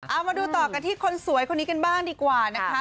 เอามาดูต่อกันที่คนสวยคนนี้กันบ้างดีกว่านะคะ